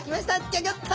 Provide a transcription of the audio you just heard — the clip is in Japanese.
ギョギョッと！